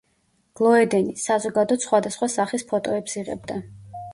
გლოედენი, საზოგადოდ, სხვადასხვა სახის ფოტოებს იღებდა.